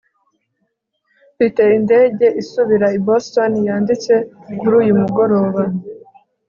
mfite indege isubira i boston yanditse kuri uyu mugoroba